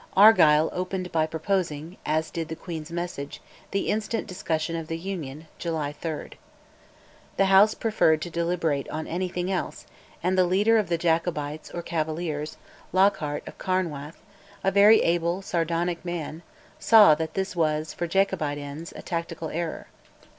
Argyll opened by proposing, as did the Queen's Message, the instant discussion of the Union (July 3). The House preferred to deliberate on anything else, and the leader of the Jacobites or Cavaliers, Lockhart of Carnwath, a very able sardonic man, saw that this was, for Jacobite ends, a tactical error.